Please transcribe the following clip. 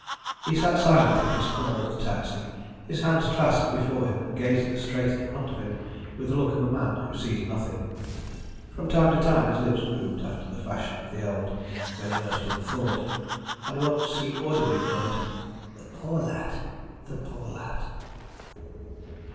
He sat silent in his corner of the taxi, his hands clasped before him, and gazing straight in front of him with the look of a man who sees nothing. From time to time his lips moved after the fashion of the old, when immersed in thought, and once he audibly murmured, "The poor lad; the poor lad."